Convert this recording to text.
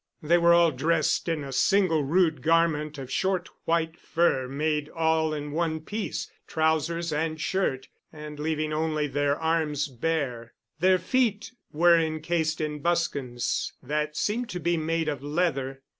They were all dressed in a single rude garment of short white fur, made all in one piece, trousers and shirt, and leaving only their arms bare. Their feet were incased in buskins that seemed to be made of leather.